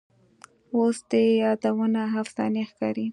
اوس دي یادونه افسانې ښکاري